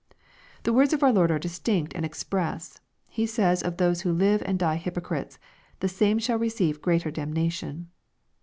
The words of our Lord are distinct and express. He says of those who live and die hypocrites, "the same shall receive greater damnation."